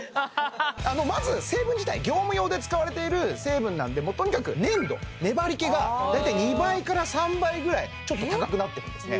まず成分自体業務用で使われている成分なんでとにかく粘度粘りけが大体２倍から３倍ぐらいちょっと高くなってるんですね